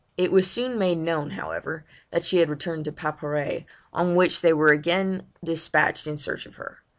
It was soon made known, however, that she had returned to Paparré, on which they were again despatched in search of her.